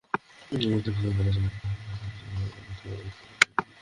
আমাদের ভয়ে কলেজ বন্ধ থাকবে, ছাত্রীদের লেখাপড়ার ক্ষতি হবে—তা মোটেই কাম্য নয়।